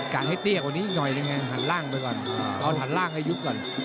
การให้เตรียกวันนี้ยังไงหันล่างไปก่อนเอาหันล่างให้ยุบก่อน